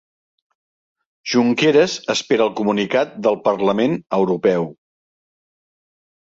Junqueras espera el comunicat del Parlament Europeu